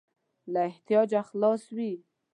له احتیاجه خلاص وي.